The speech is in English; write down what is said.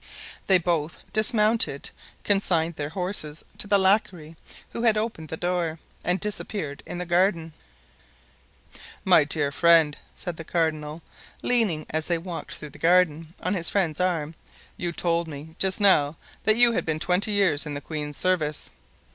They both dismounted, consigned their horses to the lackey who had opened the door, and disappeared in the garden. "My dear friend," said the cardinal, leaning, as they walked through the garden, on his friend's arm, "you told me just now that you had been twenty years in the queen's service."